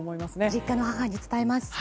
実家の母に伝えます。